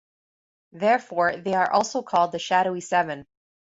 Therefore, they are also called the Shadowy Seven.